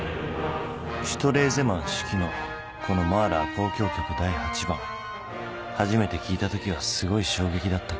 ［シュトレーゼマン指揮のこの『マーラー交響曲第８番』初めて聴いたときはすごい衝撃だったっけ。